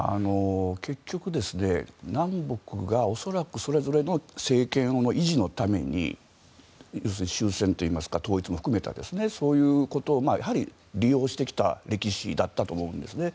結局、南北が恐らくそれぞれの政権の維持のために終戦といいますか統一も含めてそういうことを利用してきた歴史だったと思うんですね。